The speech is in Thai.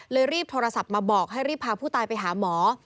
รีบโทรศัพท์มาบอกให้รีบพาผู้ตายไปหาหมอ